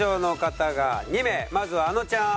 まずはあのちゃん。